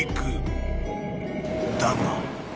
［だが］